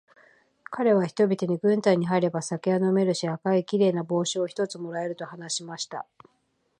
かれは人々に、軍隊に入れば酒は飲めるし、赤いきれいな帽子を一つ貰える、と話しました。